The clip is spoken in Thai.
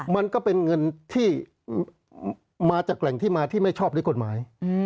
มันก็เป็นเงินที่มาจากแหล่งที่มาที่ไม่ชอบด้วยกฎหมาย